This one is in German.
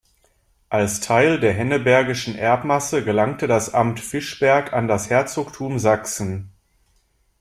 Als Teil der hennebergischen Erbmasse gelangte das Amt Fischberg an das Herzogtum Sachsen.